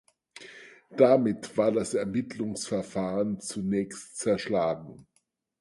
Damit war das Ermittlungsverfahren zunächst zerschlagen.